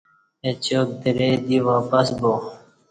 اچاک درے دی واپس با